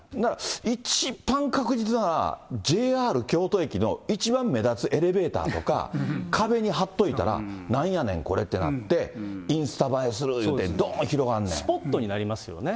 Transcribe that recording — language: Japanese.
一番確実なのは、ＪＲ京都駅の一番目立つエレベーターとか、壁に貼っといたら、なんやねん、これってなって、インスタ映えすスポットになりますよね。